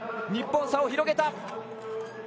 日本、差を広げた。